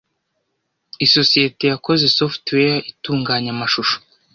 isosiyete yakoze software itunganya amashusho.